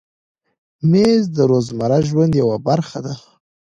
مېز د روزمره ژوند یوه برخه ده.